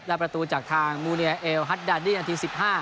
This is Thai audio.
และประตูจากทางมูเนียเอลฮัตดาดี้นาที๑๕